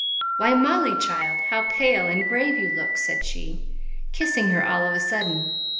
Why, Molly, child, how pale and grave you look!" said she, kissing her all of a sudden.